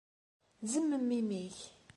Zemmem imi-k!